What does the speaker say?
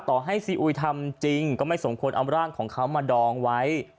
ต่อให้ซีอุยทำจริงก็ไม่สมควรเอาร่างของเขามาดองไว้